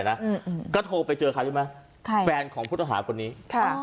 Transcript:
อืมก็โทรไปเจอใครรู้ไหมใครแฟนของผู้ต้องหาคนนี้ค่ะ